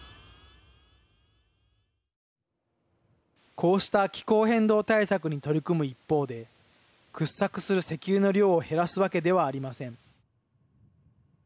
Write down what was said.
こうした気候変動対策に取り組む一方で掘削する石油の量を減らす訳ではありません。